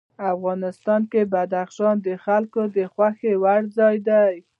افغانستان کې بدخشان د خلکو د خوښې وړ ځای دی.